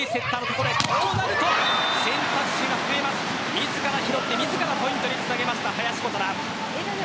自ら拾って自らポイントにつなげました林琴奈。